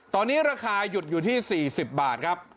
ตอนนี้ราคาหยุดอยู่ที่๔๐บาทครับ